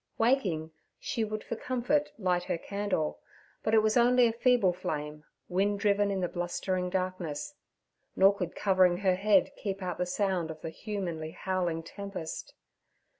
Waking, she would for comfort light her candle; but it was only a feeble flame, wind driven in the blustering darkness. Nor could covering her head keep out the sound of the humanly howling tempest.